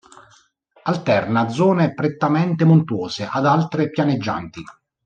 Alterna zone prettamente montuose ad altre pianeggianti.